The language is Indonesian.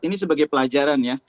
ini sebagai pelajaran ya